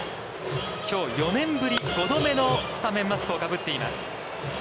きょう４年ぶり、５度目のスタメンマスクをかぶっています。